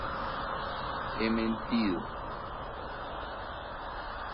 he mentido